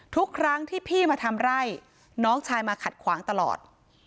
ทุกครั้งที่พี่มาทำไร่น้องชายมาขัดขวางตลอด